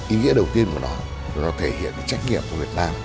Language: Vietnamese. ý nghĩa đầu tiên của nó là nó thể hiện trách nhiệm của việt nam